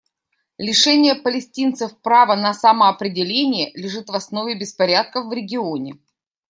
Лишение палестинцев права на самоопределение лежит в основе беспорядков в регионе.